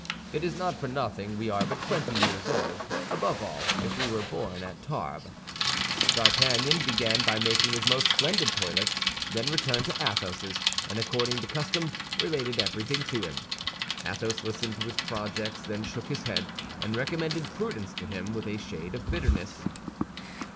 It is not for nothing we are but twenty years old, above all if we were born at Tarbes. D'Artagnan began by making his most splendid toilet, then returned to Athos's, and according to custom, related everything to him. Athos listened to his projects, then shook his head, and recommended prudence to him with a shade of bitterness.